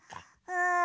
うん。